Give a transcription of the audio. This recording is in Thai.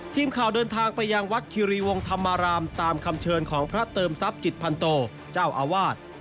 ทีมข่าวเดินทางไปยังวัดคิรีวงธรรมารามตามคำเชิญของพระเติมทรัพย์จิตพันโตเจ้าอาวาส